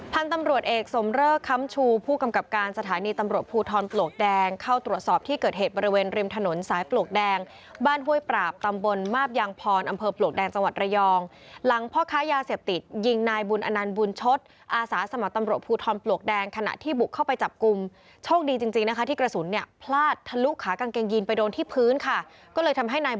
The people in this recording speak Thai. พันธุ์ตำรวจเอกสมเริ่มค้ำชูผู้กำกับการสถานีตำรวจภูทรปลวกแดงเข้าตรวจสอบที่เกิดเหตุบริเวณริมถนนสายปลวกแดงบ้านห้วยปราบตำบลมาพยางพรอำเภอปลวกแดงสวรรค์ระยองหลังพ่อค้ายาเสียบติดยิงนายบุญอนันต์บุญชฎอาสาสมตำรวจภูทรปลวกแดงขณะที่บุกเข้าไปจับกลุ่มโชคดีจริงนะคะท